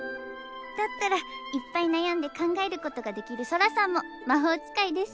だったらいっぱい悩んで考えることができるソラさんも魔法使いです。